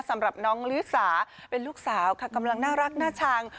สำหรับน้องลิสาเป็นลูกสาวค่ะกำลังน่ารักน่าชัง